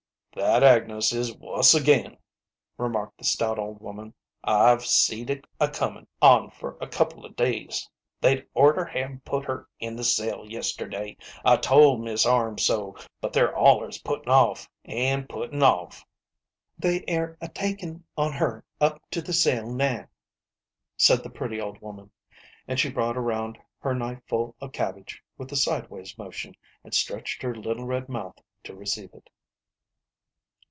"That Agnes is wuss agin/' remarked the stout old woman. "I've seed it a comin' on fer a couple of days. They'd orter have put her in the cell yesterday ; I told Mis' Arms so, but they're allers puttin' off, an' put tin' off." " They air a takin' on her up to the cell now," said the pretty old woman ; and she brought around her knifeful of cabbage with a sidewise motion, and stretched her little red mouth to receive it.